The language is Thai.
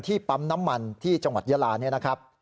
ที่ปั๊มน้ำมันที่จังหวัดยาลา